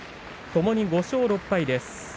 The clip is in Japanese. ともに５勝６敗です。